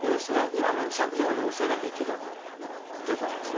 削除の要請ができるようになるということですね。